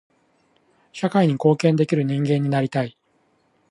社会に貢献できる人間になりたい。